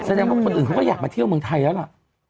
แสดงว่าคนอื่นเขาก็อยากมาเที่ยวเมืองไทยแล้วล่ะ